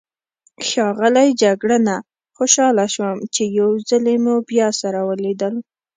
ښاغلی جګړنه، خوشحاله شوم چې یو ځلي مو بیا سره ولیدل.